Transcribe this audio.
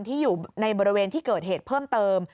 ที่อยู่ในบริเวณที่เกิดเหตุเพิ่มเติม